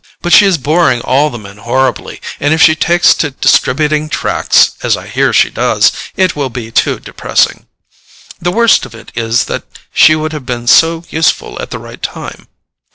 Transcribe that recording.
But she is boring all the men horribly, and if she takes to distributing tracts, as I hear she does, it will be too depressing. The worst of it is that she would have been so useful at the right time.